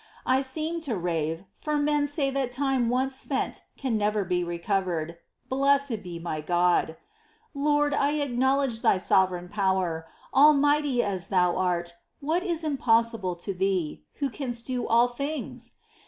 I seem to rave, for men say that time once spent can never be recovered. Blessed be my God ! 4. Lord, 1 acknowledge Thy sovereign power. Al mighty as Thou art, what is impossible to Thee, Who canst do all things